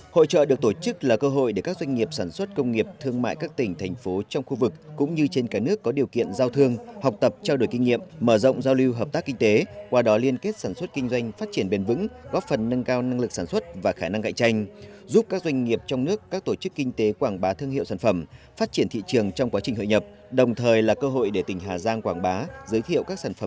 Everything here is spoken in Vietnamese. hội trợ thương mại công nghiệp sản xuất công nghiệp thương mại các tỉnh thành phố trong khu vực cũng như trên cả nước có điều kiện giao thương học tập trao đổi kinh nghiệm mở rộng giao lưu hợp tác kinh tế qua đó liên kết sản xuất kinh doanh phát triển bền vững góp phần nâng cao năng lực sản xuất và khả năng cạnh tranh giúp các doanh nghiệp trong nước các tổ chức kinh tế quảng bá thương hiệu sản phẩm phát triển thị trường trong quá trình hội nhập đồng thời là cơ hội để tỉnh hà giang quảng bá giới thiệu các sản ph